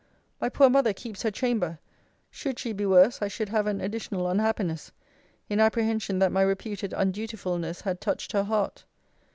My poor mother keeps her chamber should she be worse, I should have an additional unhappiness, in apprehension that my reputed undutifulness had touched her heart.